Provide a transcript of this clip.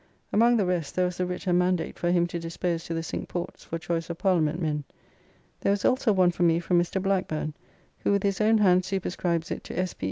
Among the rest, there was the writ and mandate for him to dispose to the Cinque Ports for choice of Parliament men. There was also one for me from Mr. Blackburne, who with his own hand superscribes it to S.P.